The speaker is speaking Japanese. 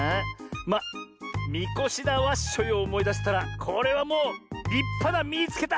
まあみこしだワッショイをおもいだせたらこれはもうりっぱな「みいつけた！」